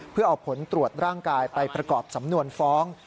เพื่อเอาผลตรวจร่างกายไปประกอบสำนวนฟ้อง